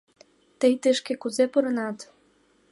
Тый тышке кузе пуренат?